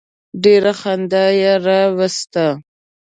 ډېره خندا یې راوسته.